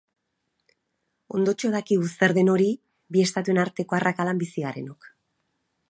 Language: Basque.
Ondotxo dakigu zer den hori, bi estatuen arteko arrakalan bizi garenok.